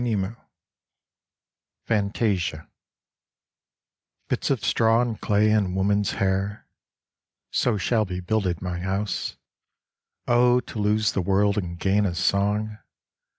95 FANTASIA Bits of straw and clay and woman's hair, — So shall be builded my house ; Oh to lose the world and gain a song